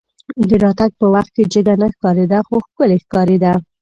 د راتګ په وخت کې جګه نه ښکارېده خو ښکلې ښکارېده.